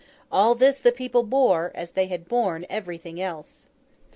All this the people bore, as they had borne everything else.